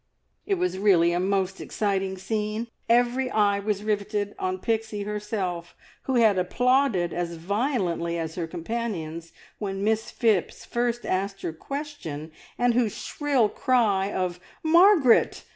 It was really a most exciting scene. Every eye was riveted on Pixie herself, who had applauded as violently as her companions when Miss Phipps first asked her question, and whose shrill cry of "Margaret!